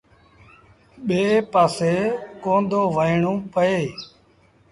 ٻي پآسي ڪونا دو وهيڻو پئي۔